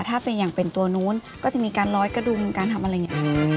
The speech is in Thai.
ถ้าเป็นอย่างเป็นตัวนู้นก็จะมีการร้อยกระดุมการทำอะไรอย่างนี้